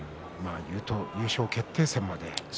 優勝決定戦まで。